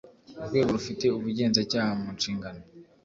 urwego rufite ubugenzacyaha mu nshingano